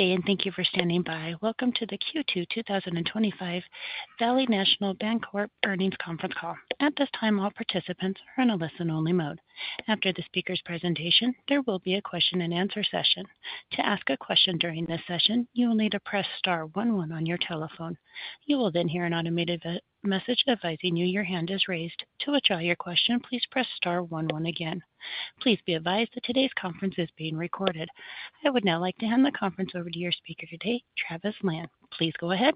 Good day and thank you for standing by. Welcome to the Q2 2025 Valley National Bancorp earnings conference call. At this time, all participants are in a listen-only mode. After the speaker's presentation, there will be a question and answer session. To ask a question during this session, you will need to press star 11 on your telephone. You will then hear an automated message advising you your hand is raised. To withdraw your question, please press star 11 again. Please be advised that today's conference is being recorded. I would now like to hand the conference over to your speaker today, Travis Lan. Please go ahead.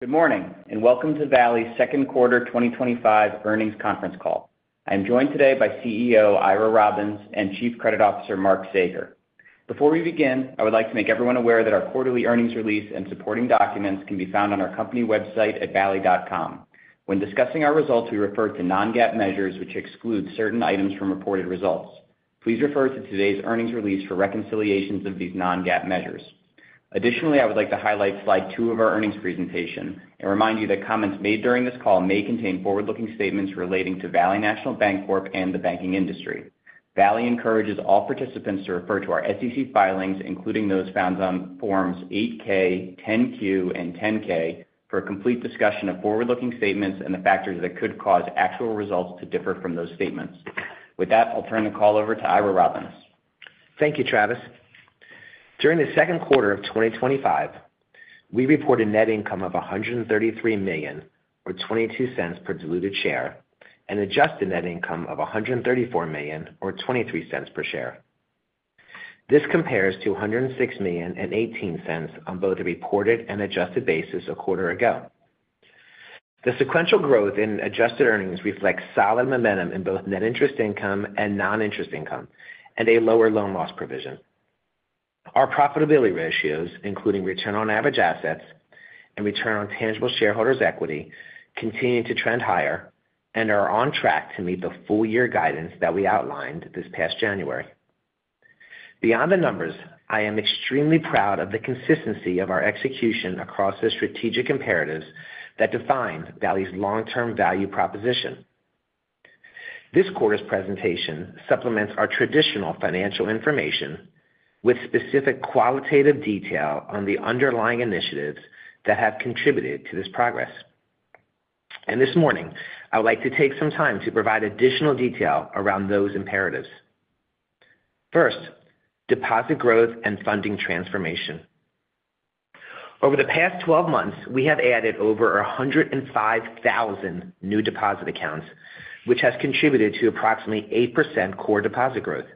Good morning and welcome to Valley's second quarter 2025 earnings conference call. I am joined today by CEO Ira Robbins and Chief Credit Officer Mark Saeger. Before we begin, I would like to make everyone aware that our quarterly earnings release and supporting documents can be found on our company website at valley.com. When discussing our results, we refer to non-GAAP measures which exclude certain items from reported results. Please refer to today's earnings release for reconciliations of these non-GAAP measures. Additionally, I would like to highlight slide 2 of our earnings presentation and remind you that comments made during this call may contain forward-looking statements relating to Valley National Bancorp and the banking industry. Valley encourages all participants to refer to our SEC filings, including those found on Forms 8-K, 10-Q, and 10-K, for a complete discussion of forward-looking statements and the factors that could cause actual results to differ from those statements. With that, I'll turn the call over to Ira Robbins. Thank you, Travis. During the second quarter of 2025, we reported net income of $133 million, or $0.22 per diluted share, and adjusted net income of $134 million, or $0.23 per share. This compares to $106 million, $0.18 on both a reported and adjusted basis a quarter ago. The sequential growth in adjusted earnings reflects solid momentum in both net interest income and noninterest income and a lower loan loss provision. Our profitability ratios, including return on average assets and return on tangible shareholders' equity, continue to trend higher and are on track to meet the full year guidance that we outlined this past January. Beyond the numbers, I am extremely proud of the consistency of our execution across the strategic imperatives that define Valley's long-term value proposition. This quarter's presentation supplements our traditional financial information with specific qualitative detail on the underlying initiatives that have contributed to this progress, and this morning I would like to take some time to provide additional detail around those imperatives. First, deposit growth and funding transformation. Over the past 12 months, we have added over 105,000 new deposit accounts, which has contributed to approximately 8% core deposit growth.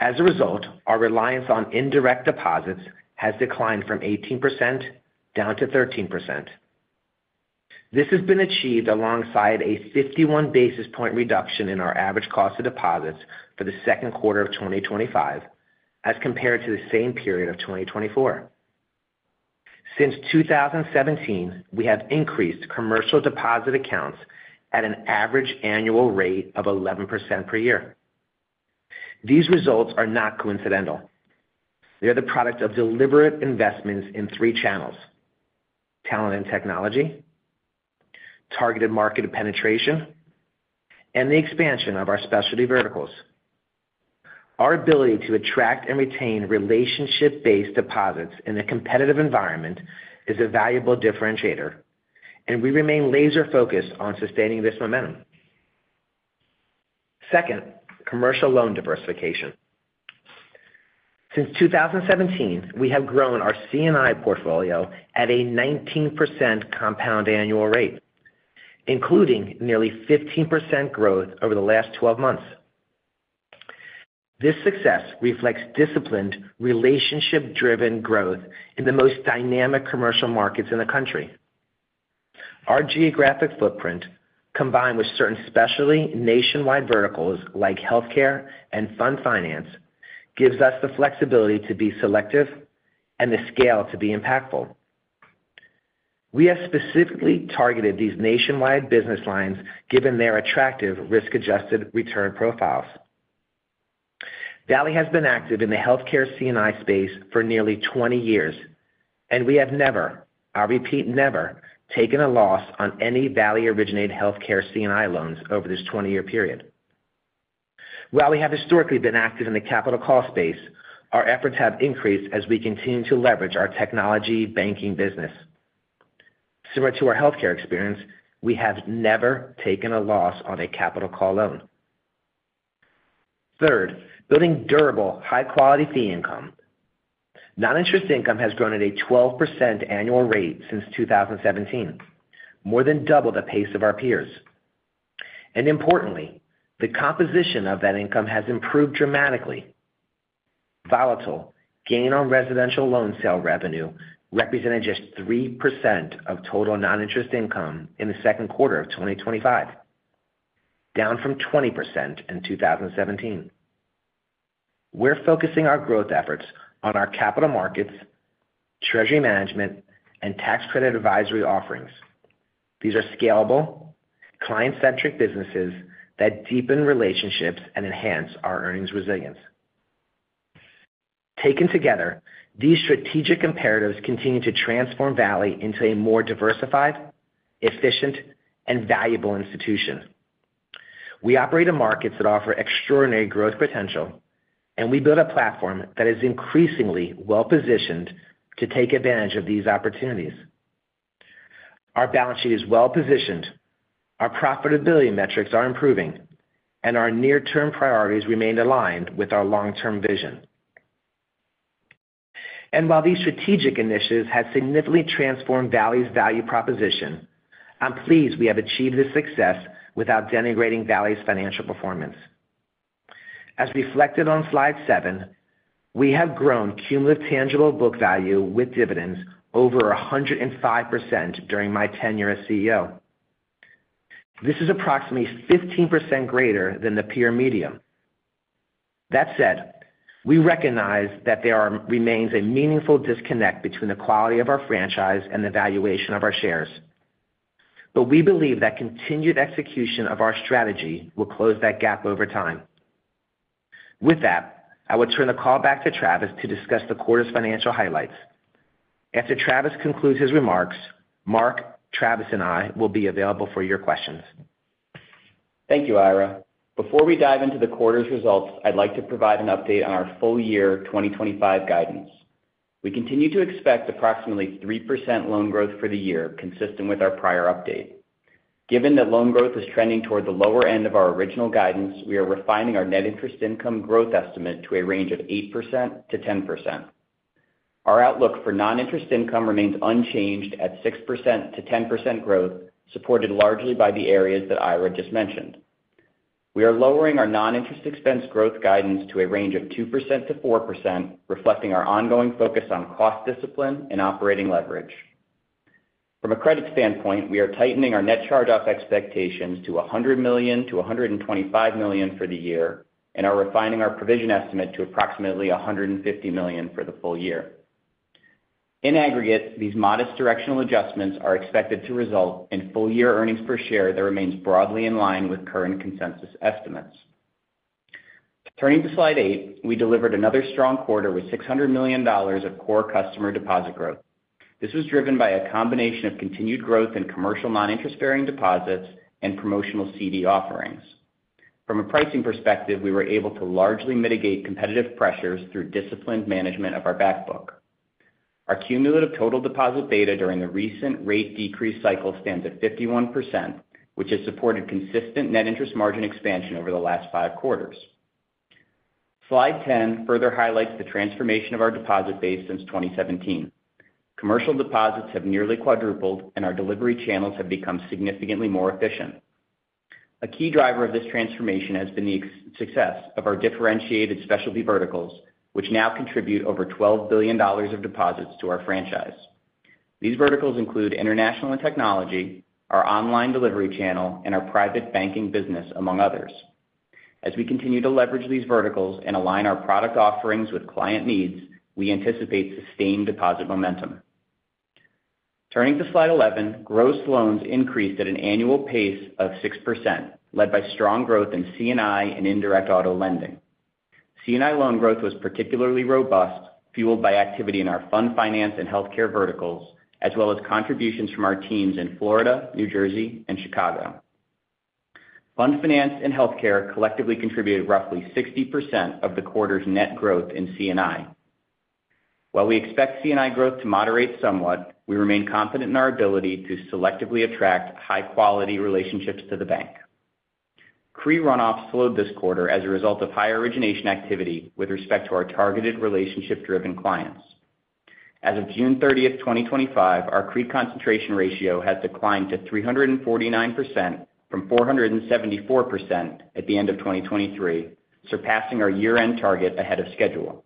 As a result, our reliance on indirect deposits has declined from 18% down to 13%. This has been achieved alongside a 51 basis point reduction in our average cost of deposits for the second quarter of 2025 as compared to the same period of 2024. Since 2017, we have increased commercial deposit accounts at an average annual rate of 11% per year. These results are not coincidental. They are the product of deliberate investments in three channels: talent and technology, targeted market penetration, and the expansion of our specialty verticals. Our ability to attract and retain relationship-based deposits in a competitive environment is a valuable differentiator, and we remain laser focused on sustaining this momentum. Second, commercial loan diversification. Since 2017, we have grown our C&I portfolio at a 19% compound annual rate, including nearly 15% growth over the last 12 months. This success reflects disciplined, relationship-driven growth in the most dynamic commercial markets in the country. Our geographic footprint, combined with certain specialty nationwide verticals like healthcare and fund finance, gives us the flexibility to be selective and the scale to be impactful. We have specifically targeted these nationwide business lines given their attractive risk-adjusted return profiles. Valley has been active in the healthcare C&I space for nearly 20 years and we have never, I repeat, never taken a loss on any Valley-originated healthcare C&I loans over this 20-year period. While we have historically been active in the capital call space, our efforts have increased as we continue to leverage our technology banking business. Similar to our healthcare experience, we have never taken a loss on a capital call loan. Third, building durable, high-quality fee income, noninterest income has grown at a 12% annual rate since 2017, more than double the pace of our peers. Importantly, the composition of that income has improved dramatically. Volatile gain on residential loan sale revenue represented just 3% of total noninterest income in the second quarter of 2025, down from 20% in 2017. We're focusing our growth efforts on our capital markets, treasury management, and tax credit advisory offerings. These are scalable, client-centric businesses that deepen relationships and enhance our earnings resilience. Taken together, these strategic imperatives continue to transform Valley into a more diversified, efficient, and valuable institution. We operate in markets that offer extraordinary growth potential and we build a platform that is increasingly well positioned to take advantage of these opportunities. Our balance sheet is well positioned, our profitability metrics are improving, and our near-term priorities remain aligned with our long-term vision. While these strategic initiatives have significantly transformed Valley's value proposition, I'm pleased we have achieved this success without denigrating Valley's financial performance. As reflected on slide 7, we have grown cumulative tangible book value with dividends over 105% during my tenure as CEO. This is approximately 15% greater than the peer median. That said, we recognize that there remains a meaningful disconnect between the quality of our franchise and the valuation of our shares, but we believe that continued execution of our strategy will close that gap over time. With that, I will turn the call back to Travis to discuss the quarter's financial highlights. After Travis concludes his remarks, Mark, Travis, and I will be available for your questions. Thank you, Ira. Before we dive into the quarter's results, I'd like to provide an update on our full year 2025 guidance. We continue to expect approximately 3% loan growth for the year, consistent with our prior update. Given that loan growth is trending toward the lower end of our original guidance, we are refining our net interest income growth estimate to a range of 8% to 10%. Our outlook for noninterest income remains unchanged at 6% to 10% growth, supported largely by the areas that Ira just mentioned. We are lowering our noninterest expense growth guidance to a range of 2% to 4%, reflecting our ongoing focus on cost discipline and operating leverage. From a credit standpoint, we are tightening our net charge-off expectations to $100 million to $125 million for the year and are refining our provision estimate to approximately $150 million for the full year. In aggregate, these modest directional adjustments are expected to result in full year earnings per share that remains broadly in line with current consensus estimates. Turning to Slide 8, we delivered another strong quarter with $600 million of core customer deposit growth. This was driven by a combination of continued growth in commercial noninterest bearing deposits and promotional CD offerings. From a pricing perspective, we were able to largely mitigate competitive pressures through disciplined management of our back book. Our cumulative total deposit beta during the recent rate decrease cycle stands at 51%, which has supported consistent net interest margin expansion over the last five quarters. Slide 10 further highlights the transformation of our deposit base. Since 2017, commercial deposits have nearly quadrupled and our delivery channels have become significantly more efficient. A key driver of this transformation has been the success of our differentiated specialty verticals, which now contribute over $12 billion of deposits to our franchise. These verticals include international and technology, our online delivery channel, and our private banking business, among others. As we continue to leverage these verticals and align our product offerings with client needs, we anticipate sustained deposit momentum. Turning to Slide 11, gross loans increased at an annual pace of 6%, led by strong growth in C&I and indirect auto lending. C&I loan growth was particularly robust, fueled by activity in our fund finance and healthcare verticals as well as contributions from our teams in Florida, New Jersey, and Chicago. Fund finance and healthcare collectively contributed roughly 60% of the quarter's net growth in C&I. While we expect C&I growth to moderate somewhat, we remain confident in our ability to selectively attract high quality relationships to the bank. CRE runoff slowed this quarter as a result of higher origination activity with respect to our targeted relationship-driven clients. As of June 30, 2025, our CRE concentration ratio has declined to 349% from 474% at the end of 2023, surpassing our year-end target ahead of schedule.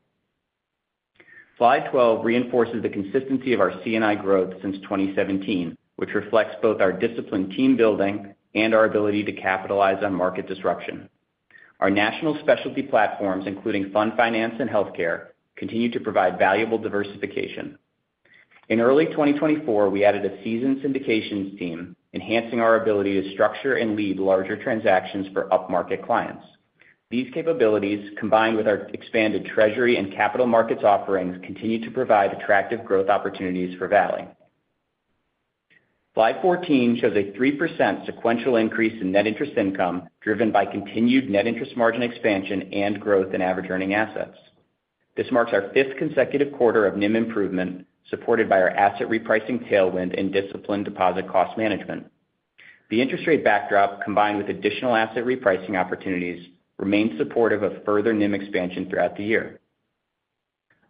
Slide 12 reinforces the consistency of our C&I growth since 2017, which reflects both our disciplined team building and our ability to capitalize on market disruption. Our national specialty platforms, including fund finance and healthcare, continue to provide valuable diversification. In early 2024, we added a seasoned syndications team, enhancing our ability to structure and lead larger transactions for upmarket clients. These capabilities, combined with our expanded treasury and capital markets offerings, continue to provide attractive growth opportunities for Valley. Slide 14 shows a 3% sequential increase in net interest income, driven by continued net interest margin expansion and growth in average earning assets. This marks our fifth consecutive quarter of NIM improvement, supported by our asset repricing tailwind and disciplined deposit cost management. The interest rate backdrop, combined with additional asset repricing opportunities, remains supportive of further NIM expansion throughout the year.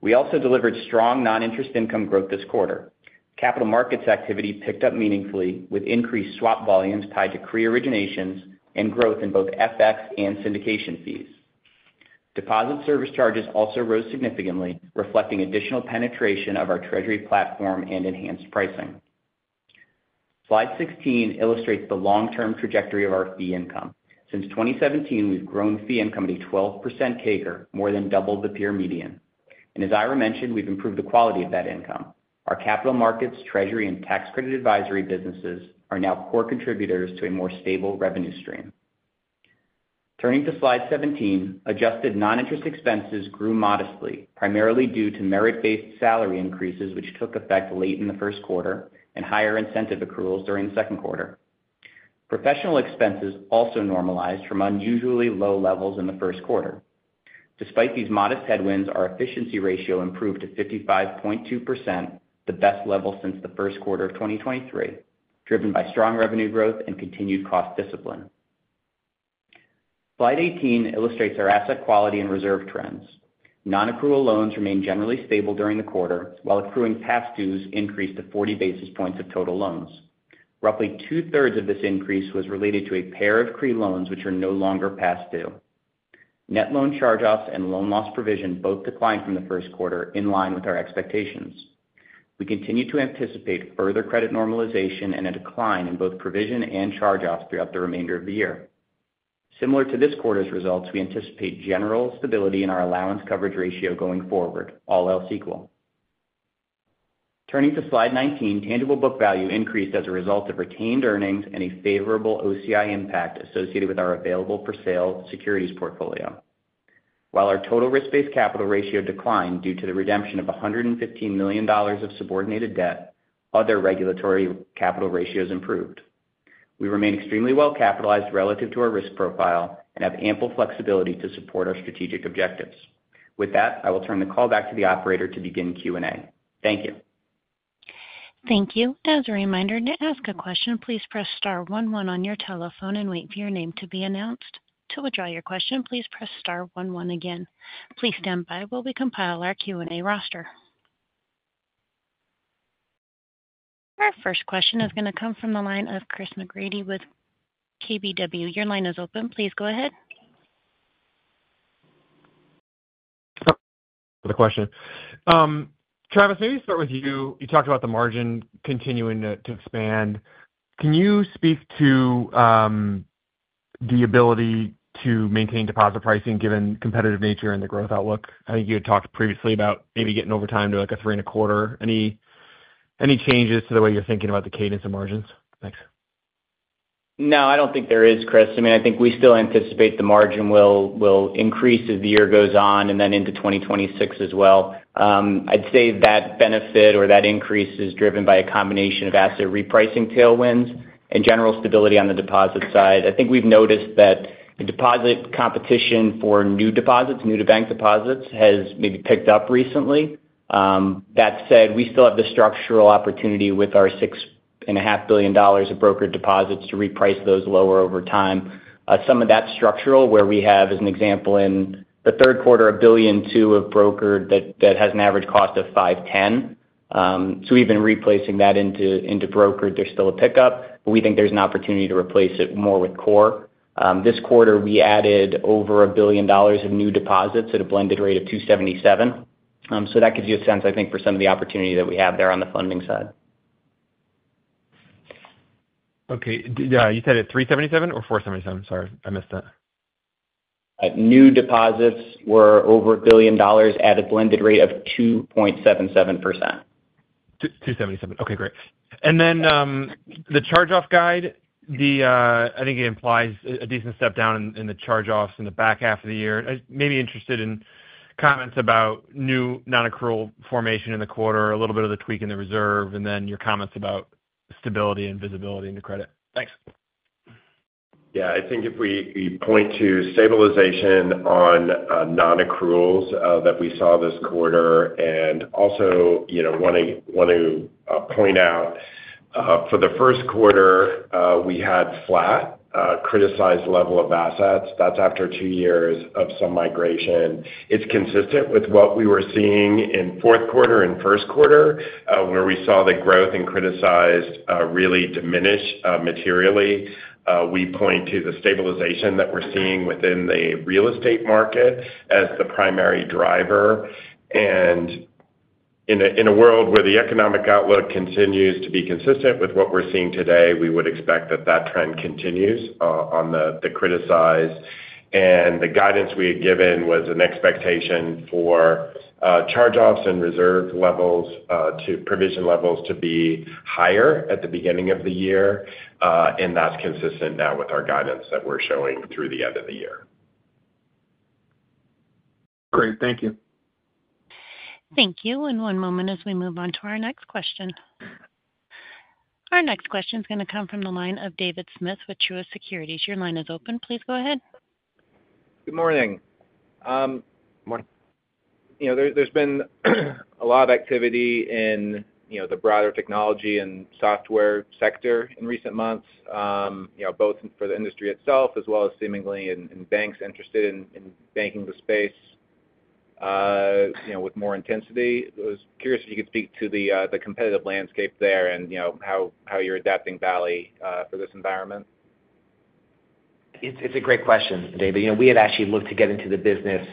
We also delivered strong noninterest income growth this quarter. Capital markets activity picked up meaningfully with increased swap volumes tied to CRE originations and growth in both FX and syndication fees. Deposit service charges also rose significantly, reflecting additional penetration of our treasury platform and enhanced pricing. Slide 16 illustrates the long-term trajectory of our fee income. Since 2017, we've grown fee income at a 12% CAGR, more than double the peer median, and as Ira Robbins mentioned, we've improved the quality of that income. Our capital markets, treasury, and tax credit advisory businesses are now core contributors to a more stable revenue stream. Turning to Slide 17, adjusted noninterest expenses grew modestly primarily due to merit-based salary increases which took effect late in the first quarter and higher incentive accruals during the second quarter. Professional expenses also normalized from unusually low levels in the first quarter. Despite these modest headwinds, our efficiency ratio improved to 55.2%, the best level since the first quarter of 2023, driven by strong revenue growth and continued cost discipline. Slide 18 illustrates our asset quality and reserve trends. Nonaccrual loans remained generally stable during the quarter while accruing past dues increased to 40 basis points of total loans. Roughly two-thirds of this increase was related to a pair of C&I loans which are no longer past due. Net loan charge-offs and loan loss provision both declined from the first quarter in line with our expectations. We continue to anticipate further credit normalization and a decline in both provision and charge-offs throughout the remainder of the year. Similar to this quarter's results, we anticipate general stability in our allowance coverage ratio going forward, all else equal. Turning to Slide 19, tangible book value increased as a result of retained earnings and a favorable OCI impact associated with our available for sale securities portfolio. While our total risk-based capital ratio declined due to the redemption of $115 million of subordinated debt, other regulatory capital ratios improved. We remain extremely well capitalized relative to our risk profile and have ample flexibility to support our strategic objectives. With that, I will turn the call back to the operator to begin Q&A. Thank you. Thank you. As a reminder to ask a question, please press star 11 on your telephone and wait for your name to be announced. To withdraw your question, please press star 11 again. Please stand by while we compile our Q&A roster. Our first question is going to come from the line of Chris McGratty with KBW. Your line is open. Please go ahead. The question, Travis, maybe start with you. You talked about the margin continuing to expand. Can you speak to the ability to maintain deposit pricing given competitive nature and the growth outlook? I think you had talked previously about. Maybe getting over time to like a. Three and a quarter. Any changes to the way you're. Thinking about the cadence of margins? Thanks. No, I don't think there is, Chris. I mean, I think we still anticipate the margin will increase as the year goes on and then into 2026 as well. I'd say that benefit or that increase is driven by a combination of asset repricing tailwinds and general stability. On the deposit side, I think we've noticed that the deposit competition for new deposits, new-to-bank deposits, has maybe picked up recently. That said, we still have the structural opportunity with our $6 billion of brokered deposits to reprice those lower over time. Some of that is structural, where we have, as an example, in the 3rd quarter, $1.2 billion of brokered that has an average cost of 5.10%, so we've been replacing that into brokered. There's still a pickup, but we think there's an opportunity to replace it more with core. This quarter, we added over $1 billion of new deposits at a blended rate of 2.77%. That gives you a sense, I think, for some of the opportunity that we have there on the funding side. Okay, you said at 3.77% or 4.77%. Sorry, I missed that. New deposits were over $1 billion at a blended rate of 2.77%. 2.77%. Okay, great. The charge off guide, I. Think it implies a decent step down in the charge-offs in the back half of the year. I may be interested in comments about Valley National Bancorp. New nonaccrual formation in the quarter, a little bit of the tweak in. The reserve, and then your comments about. Stability and visibility into credit. Thanks. Yeah, I think if we point to stabilization on nonaccruals that we saw this quarter, and also, you know, want to point out for the first quarter we had flat criticized level of assets. That's after two years of some migration. It's consistent with what we were seeing in the fourth quarter and first quarter where we saw the growth in criticized really diminish materially. We point to the stabilization that we're seeing within the real estate market as the primary driver. In a world where the economic outlook continues to be consistent with what we're seeing today, we would expect that that trend continues on the criticized. The guidance we had given was an expectation for charge-offs and reserve levels to provision levels to be higher at the beginning of the year. That's consistent now with our guidance that we're showing through the end of the year. Great, thank you. Thank you. One moment as we move on to our next question. Our next question is going to come from the line of David Smith with Truist Securities. Your line is open. Please go ahead. Good morning. There's been a lot of activity in. The broader technology and software sector in. Recent months, both for the industry itself. As well as seemingly in banks interested in banking the space with more intensity, I was curious if you could speak to the competitive landscape there and how you're adapting Valley for this environment. It's a great question, David. We had actually looked to get into the business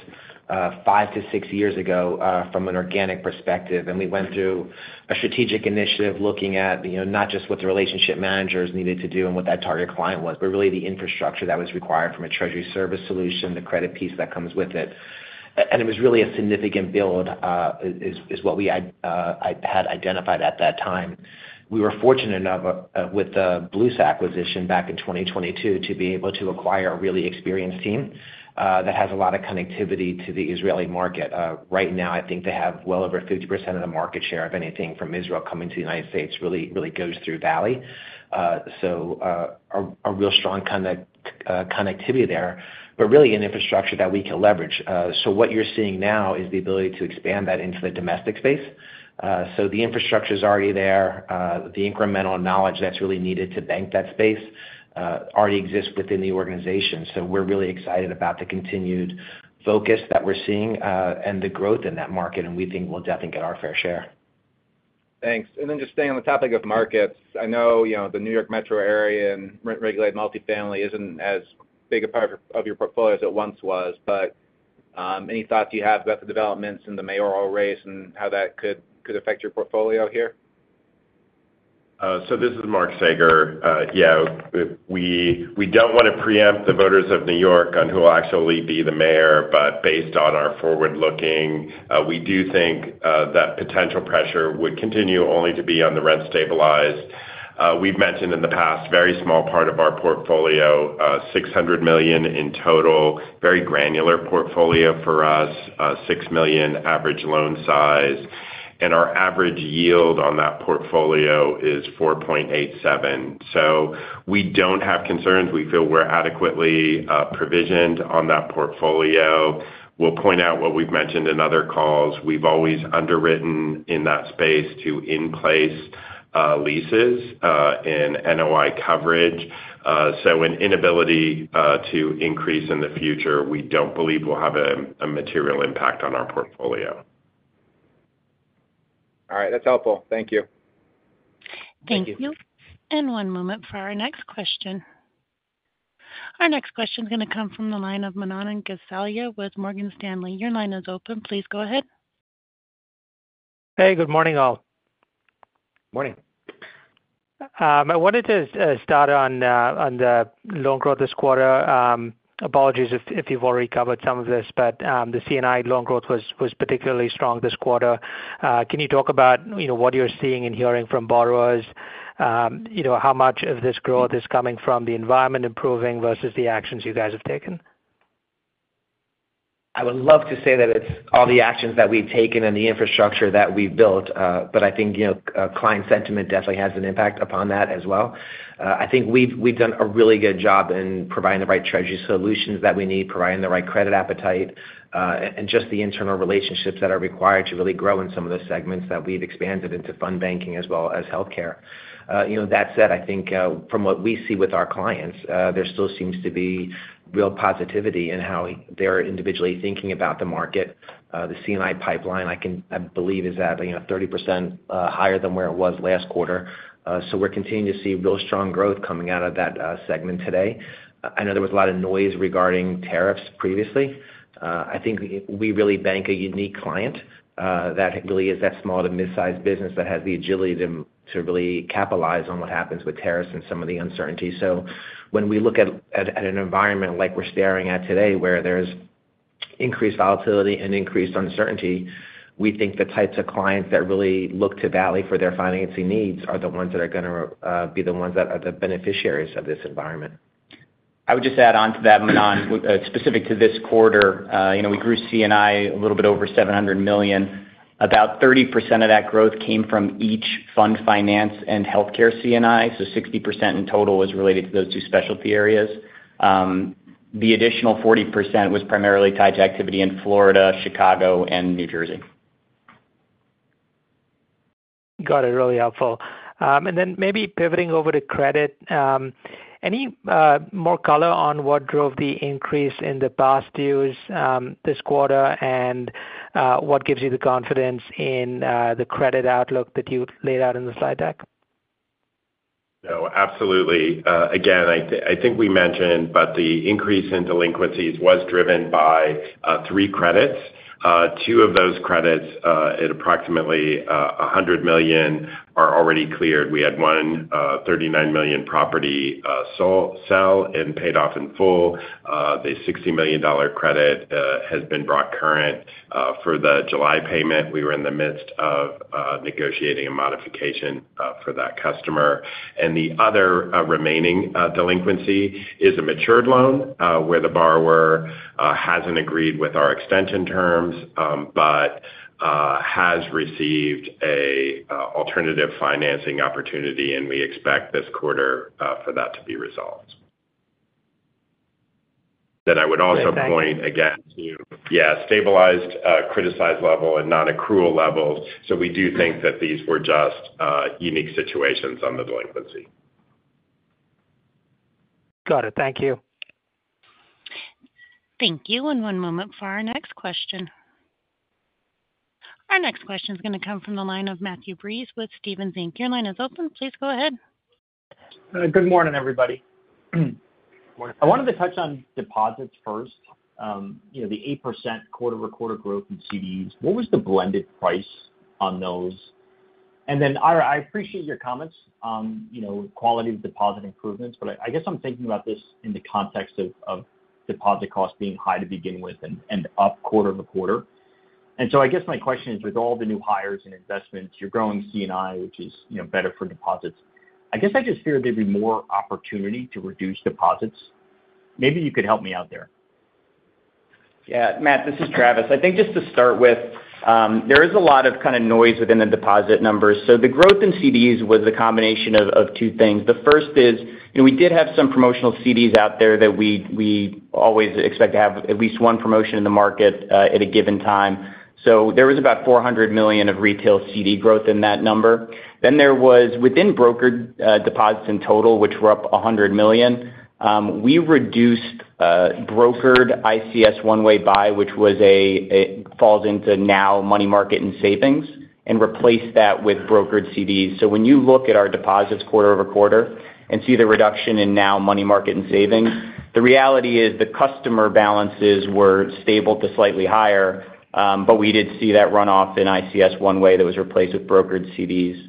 five to six years ago from an organic perspective. We went through a strategic initiative looking at not just what the relationship managers needed to do and what that target client was, but really the infrastructure that was required from a treasury management solution, the credit piece that comes with it, and it was really a significant build is what we had identified at that time. We were forteunate enough with the BLU's acquisition back in 2022 to be able to acquire a really experienced team that has a lot of connectivity to the Israeli market right now. I think they have well over 50% of the market share of anything from Israel coming to the United States really goes through Valley. So a real strong connectivity there, but really an infrastructure that we can leverage. What you're seeing now is the ability to expand that into the domestic space. So the infrastructure is already there. The incremental knowledge that's really needed to bank that space already exists within the organization. We're really excited about the continued focus that we're seeing and the growth in that market, and we think we'll definitely get our fair share. Thanks. Just staying on the topic of markets, I know the New York metro area and rent regulated multifamily isn't as big a part of your portfolio as it once was. Any thoughts you have about the developments in the mayoral race and how. That could affect your portfolio here? This is Mark Saeger. We don't want to preempt the voters of New York on who will actually be the mayor, but based on our forward looking, we do think that potential pressure would continue only to be on the rent stabilized. We've mentioned in the past, very small part of our portfolio, $600 million in total, very granular portfolio for us, $6 million average loan size, and our average yield on that portfolio is 4.87%. We don't have concerns. We feel we're adequately provisioned on that portfolio. We'll point out what we've mentioned in other calls. We've always underwritten in that space to in-place leases in NOI coverage, so an inability to increase in the future, we don't believe will have a material impact on our portfolio. All right, that's helpful. Thank you. Thank you. One moment for our next question. Our next question is going to come from the line of Manan Gosalia with Morgan Stanley. Your line is open. Please go ahead. Hey, good morning all. Morning. I wanted to start on the loan growth this quarter. Apologies if you've already covered some of this, but the C&I loan growth was particularly strong this quarter. Can you talk about what you're seeing and hearing from borrowers? How much of this growth is coming from the environment improving versus the actions you guys have taken? I would love to say that it's all the actions that we've taken and the infrastructure that we've built. I think client sentiment definitely has an impact upon that as well. I think we've done a really good job in providing the right treasury solutions that we need, providing the right credit appetite, and just the internal relationships that are required to really grow in some of the segments that we've expanded into, fund finance as well as healthcare. That said, from what we see with our clients, there still seems to be real positivity in how they're individually thinking about the market. The C&I pipeline, I believe, is at 30% higher than where it was last quarter. We're continuing to see real strong growth coming out of that segment today. I know there was a lot of noise regarding tariffs previously. I think we really bank a unique client that really is that small to mid-sized business that has the agility to really capitalize on what happens with tariffs and some of the uncertainty. When we look at an environment like we're staring at today where there's increased volatility and increased uncertainty, we think the types of clients that really look to Valley for their financing needs are the ones that are going to be the ones that are the beneficiaries of this environment. I would just add on to that, Manan. Specific to this quarter, you know we grew C&I a little bit over $700 million. About 30% of that growth came from each fund finance and healthcare C&I. 60% in total was related to those two specialty areas. The additional 40% was primarily tied to activity in Florida, Chicago, and New Jersey. Got it. Really helpful. Maybe pivoting over to credit, any more color on what drove the increase in the past dues this quarter and what gives you the confidence in the credit outlook that you laid out in the slide deck? No, absolutely. Again I think we mentioned, but the increase in delinquencies was driven by three credits. Two of those credits at approximately $100 million are already cleared. We had a $39 million property sell and paid off in full. The $60 million credit has been brought current for the July payment. We were in the midst of negotiating a modification for that customer. The other remaining delinquency is a matured loan where the borrower hasn't agreed with our extension terms but has received an alternative financing opportunity. We expect this quarter for that to be resolved. I would also point again to stabilized criticized level and nonaccrual levels. We do think that these were just unique situations on the delinquency. Got it. Thank you. Thank you. One moment for our next question. Our next question is going to come from the line of Matthew M. Breese with Stephens Inc. Your line is open. Please go ahead. Good morning everybody. I wanted to touch on deposits first. You know the 8% quarter-over-quarter growth in CDs, what was the blended price on those? And Ira, I appreciate your comments, you know, quality of deposit improvements. But I guess I'm thinking about this in the context of deposit cost being high to begin with and up quarter-over-quarter. And so I guess my question is with all the new hires and investments, you're growing C&I, which is better for deposits? I guess I just fear there'd be more opportunity to reduce deposits. Maybe you could help me out there. Yeah, Matt, this is Travis. I think just to start with, there is a lot of kind of noise within the deposit numbers. The growth in CDs was a combination of two things. The first is we did have some promotional CDs out there that we always expect to have at least one promotion in the market at a given time. There was about $400 million of retail CD growth in that number. Within brokered deposits in total, which were up $100 million, we reduced brokered ICS one-way buy, which now falls into money market and savings, and replaced that with brokered CDs. When you look at our deposits quarter-over-quarter and see the reduction in now money market and savings, the reality is the customer balances were stable to slightly higher. We did see that runoff in ICS one-way that was replaced with brokered CDs.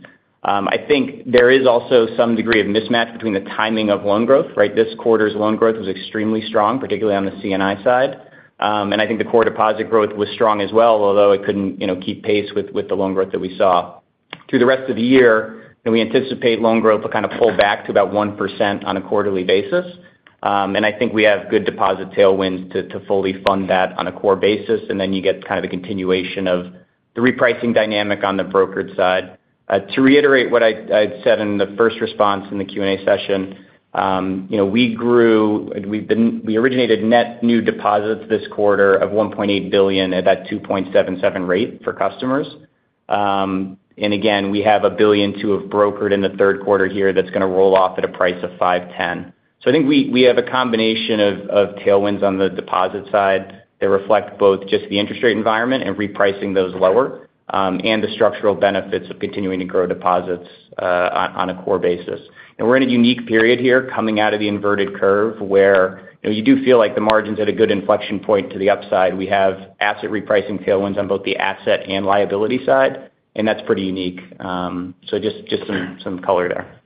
I think there is also some degree of mismatch between the timing of loan growth. This quarter's loan growth was extremely strong, particularly on the C&I side. I think the core deposit growth was strong as well, although it couldn't keep pace with the loan growth that we saw. Through the rest of the year, we anticipate loan growth will kind of pull back to about 1% on a quarterly basis. I think we have good deposit tailwinds to fully fund that on a core basis. You get a continuation of the repricing dynamic on the brokered side. To reiterate what I said in the first response in the Q&A session, we originated net new deposits this quarter of $1.8 billion at that 2.77% rate for customers. Again, we have $1 billion to have brokered in the third quarter here. That's going to roll off at a price of 5.10%. I think we have a combination of tailwinds on the deposit side. They reflect both just the interest rate environment and repricing those lower and the structural benefits of continuing to grow deposits on a core basis. We are in a unique period here coming out of the inverted curve where you do feel like the margins at a good inflection point to the upside. We have asset repricing tailwinds on both the asset and liability side. That is pretty unique. So just some color there.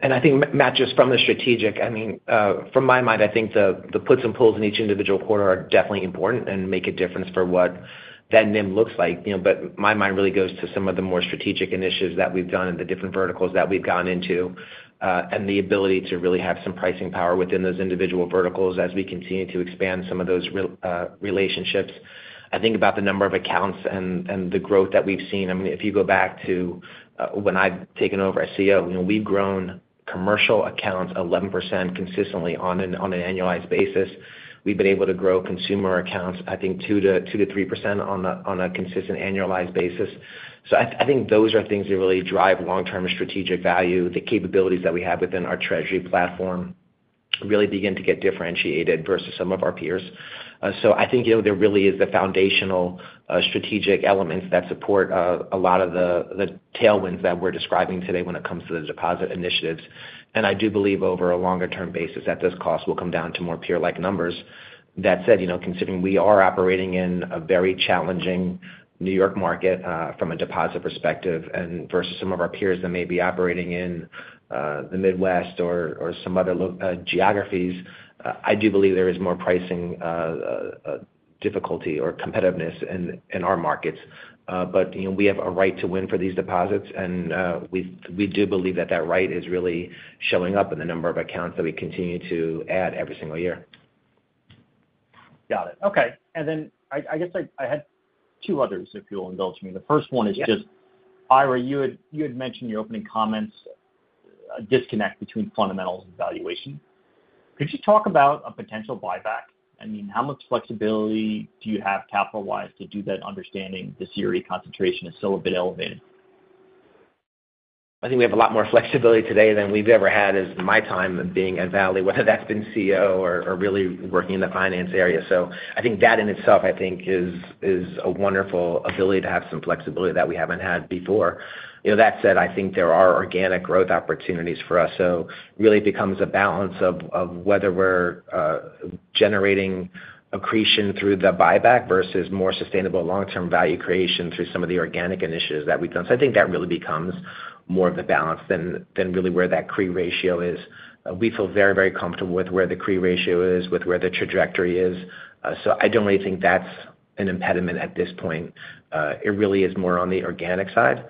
And I think, Matt, just from the strategic, I mean, from my mind, I think the puts and pulls in each individual quarter are definitely important and make a difference what that NIM looks like. My mind really goes to some of the more strategic initiatives that we've done in the different verticals that we've gone into and the ability to really have some pricing power within those individual verticals as we continue to expand some of those relationships. I think about the number of accounts and the growth that we've seen. If you go back to when I've taken over as CEO, we've grown commercial accounts 11% consistently on an annualized basis. We've been able to grow consumer accounts I think 2%-3% on a consistent annualized basis. I think those are things that really drive long term strategic value. The capabilities that we have within our treasury platform really begin to get differentiated versus some of our peers. I think there really is the foundational strategic elements that support a lot of the tailwinds that we're describing today when it comes to the deposit initiatives. I do believe over a longer term basis that this cost will come down to more peer like numbers. That said, considering we are operating in a very challenging New York market from a deposit perspective and versus some of our peers that may be operating in the Midwest or some other geographies, I do believe there is more pricing difficulty or competitiveness in our markets. We have a right to win for these deposits and we do believe that that right is really showing up in the number of accounts that we continue to add every single year. Got it. Okay. I guess I had two. Others, if you'll indulge me. The first one is just Ira, you had mentioned your opening comments. A disconnect between fundamentals and valuation. Could you talk about a potential buyback? I mean, how much flexibility do you have capital wise to do that understanding the CRE concentration is still a bit elevated? I think we have a lot more flexibility today than we've ever had in my time being at Valley, whether that's been CEO or really working in the finance area. I think that in itself is a wonderful ability to have some flexibility that we haven't had before. That said, I think there are organic growth opportunities for us. It becomes a balance of whether we're generating accretion through the buyback versus more sustainable long term value creation through some of the organic initiatives. I think that really becomes more of the balance than where that CRE ratio is. We feel very, very comfortable with where the CRE ratio is and with where the trajectory is. I don't really think that's an impediment at this point. It really is more on the organic side.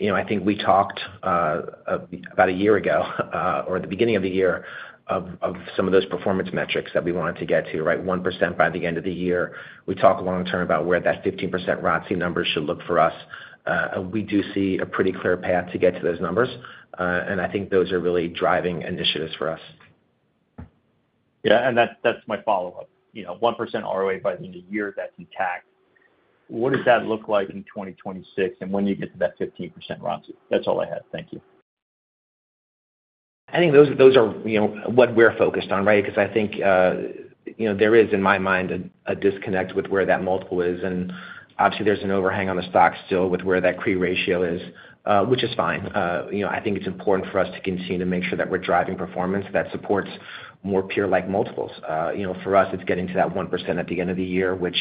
I think we talked about a year ago or the beginning of the year of some of those performance metrics that we wanted to get to 1% by the end of the year. We talk long term about where that 15% ROTCE number should look for us. We do see a pretty clear path to get to those numbers and I think those are really driving initiatives for us. Yeah, that's my follow up. 1% ROA by the end of the year, that's intact. What does that look like in 2026? And when you get to that 15% ROTCE, that's all I had. Thank you. I think those are what we're focused on. Right. Because I think there is in my mind a disconnect with where that multiple is, and obviously there's an overhang on the stock still with where that CRE ratio is, which is fine. I think it's important for us to continue to make sure that we're driving performance that supports more peer-like multiples. For us, it's getting to that 1% at the end of the year, which,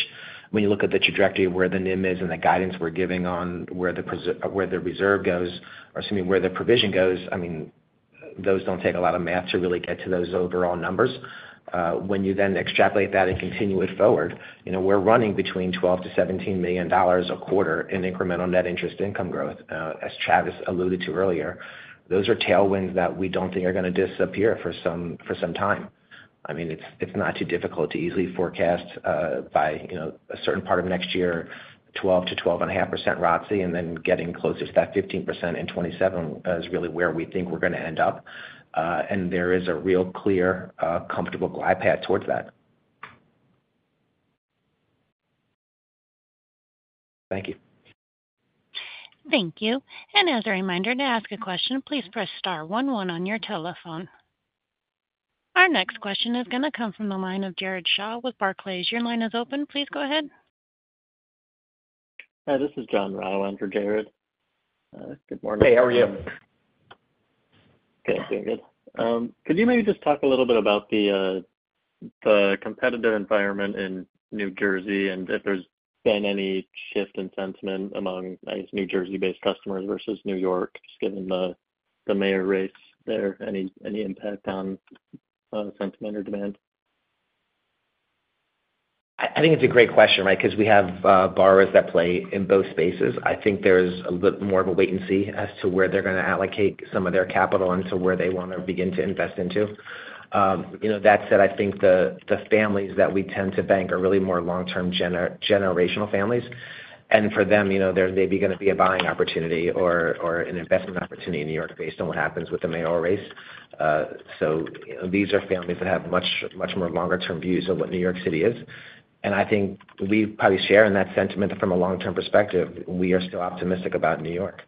when you look at the trajectory of where the NIM is and the guidance we're giving on where the reserve goes or where the provision goes, those don't take a lot of math to really get to those overall numbers. When you then extrapolate that and continue it forward, we're running between $12 million to $17 million a quarter in incremental net interest income growth. As Travis alluded to earlier, those are tailwinds that we don't think are going to disappear for some time. It's not too difficult to easily forecast by a certain part of next year, 12% to 12.5% ROTCE. Getting closer to that 15% in 2027 is really where we think we're going to end up. There is a real clear, comfortable glide path towards that. Thank you. Thank you. As a reminder to ask a question, please press star 11 on your telephone. Our next question is going to come from the line of Jared Shaw with Barclays. Your line is open. Please go ahead. Hi, this is Jon Rau for Jared. Good morning. Hey, how are you? Good, doing good. Could you maybe just talk a little bit about the competitive environment in New Jersey and if there's been any shift in sentiment among New Jersey based customers versus New York just given the mayor race there, any impact on sentiment or demand? I think it's a great question. Right, because we have borrowers that play in both spaces. I think there's a bit more of. A wait and see as to where. They're going to allocate some of their capital and where they want to begin to invest into. That said, I think the families that we tend to bank are really more long-term generational families and for them there may be going to be a buying opportunity or an investment opportunity in New York based on what happens with the mayoral race. These are families that have much more longer-term views of what New York City is, and I think we probably share in that sentiment. From a long-term perspective, we are still optimistic about New York.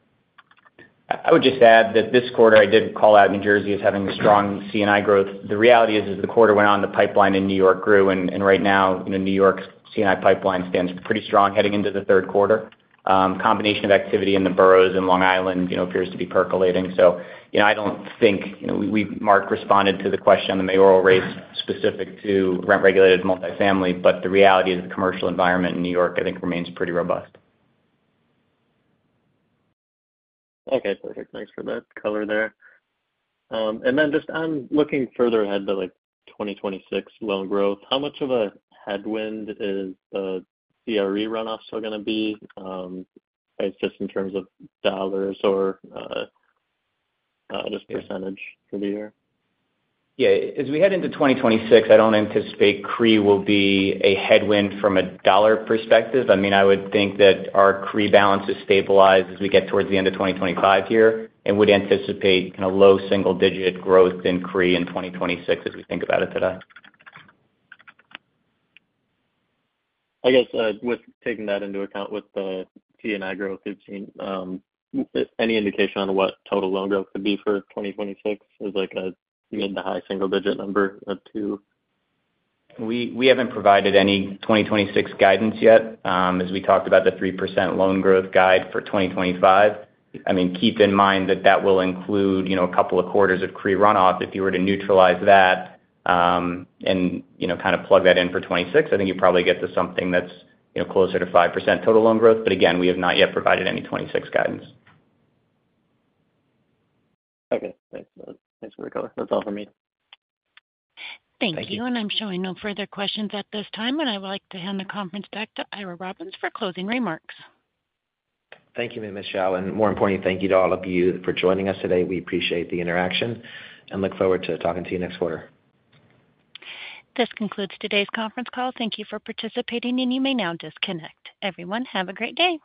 I would just add that this quarter I did call out New Jersey as having strong C&I growth. The reality is as the quarter went on, the pipeline in New York grew and right now New York's C&I pipeline stands pretty strong heading into the third quarter. Combination of activity in the boroughs and Long Island appears to be percolating. I don't think Mark Saeger responded to the question on the mayoral rates specific to rent regulated multifamily. The reality is the commercial environment in New York I think remains pretty robust. Okay, perfect. Thanks for that color there. I'm looking further ahead to 2026 loan growth. How much of a headwind is the CRE runoff still going to be just in terms of dollars or just % for the year? As we head into 2026, I don't anticipate CRE will be a headwind from a dollar perspective. Our CRE balances stabilize as we get towards the end of 2025 here and would anticipate low single digit growth in CRE in 2026 as we think about it today. I guess with taking that into account with the C&I growth, you've seen any indication on what total loan growth could be for 2026, is it like a mid to high single digit number too? We haven't provided any 2026 guidance yet. As we talked about the 3% loan growth guide, keep in mind that will include a couple of quarters of CRE runoff. If you were to neutralize that and plug that in for 2026, I think you probably get to something that's closer to 5% total loan growth. Again, we have not yet provided any 2026 guidance. Okay. Thanks for the color. That's all from me. Thank you. I'm showing no further questions at this time. I would like to hand the conference back to Ira Robbins for closing remarks. Thank you, Michelle. More importantly, thank you to all of you for joining us today. We appreciate the interaction and look forward to talking to you next quarter. This concludes today's conference call. Thank you for participating and you may now disconnect. Everyone, have a great day.